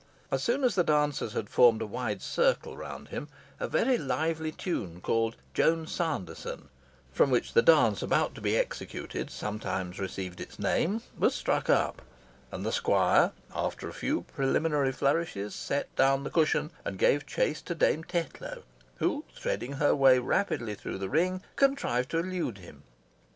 As soon as the dancers had formed a wide circle round him, a very lively tune called "Joan Sanderson," from which the dance about to be executed sometimes received its name, was struck up, and the squire, after a few preliminary flourishes, set down the cushion, and gave chase to Dame Tetlow, who, threading her way rapidly through the ring, contrived to elude him.